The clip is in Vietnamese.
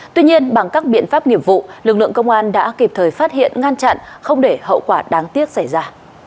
tuy nhiên bằng các biện pháp nghiệp vụ lực lượng công an đã kịp thời phát hiện ngăn chặn không để hậu quả đáng tiếc xảy ra